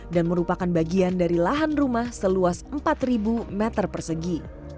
dan merupakan bagian dari lahan rumah seluas empat meter persegi